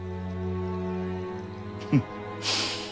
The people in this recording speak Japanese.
フッ。